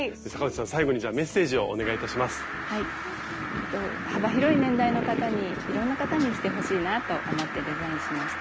えっと幅広い年代の方にいろんな方に着てほしいなと思ってデザインしました。